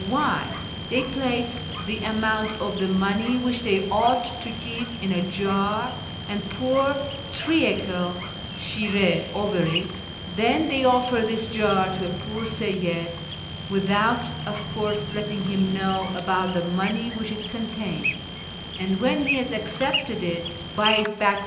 Why, they place the amount of the money which they ought to give in a jar and pour treacle (shirS) over it ; then they offer this jar to a poor Seyyid (without, of course, letting him know about the money which it contains), and, when he has accepted it, buy it back from ^ See my Traveller's Narrative, vol.